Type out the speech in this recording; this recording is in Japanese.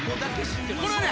これはね